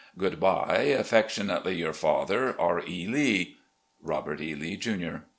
Good bye, "Affectionately your father, "R. E. Lee. "Robert E. Lee, Jr."